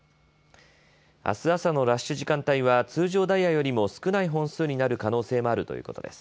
あす朝のラッシュ時間帯は通常ダイヤよりも少ない本数になる可能性もあるということです。